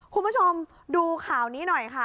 คุณผู้ชมดูข่าวนี้หน่อยค่ะ